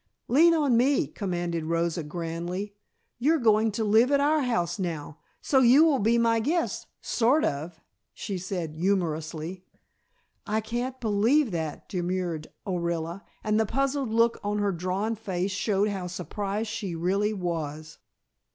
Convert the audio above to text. "Lean on me," commanded Rosa grandly. "You're going to live at our house now, so you will be my guest, sort of," she said humorously. "I can't believe that," demurred Orilla, and the puzzled look on her drawn face showed how surprised she really was.